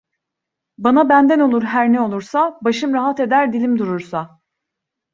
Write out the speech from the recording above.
Bana benden olur her ne olursa, başım rahat eder dilim durursa